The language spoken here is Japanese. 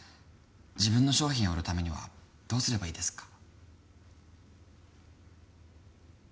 自分の商品を売るためにはどうすればいいですか？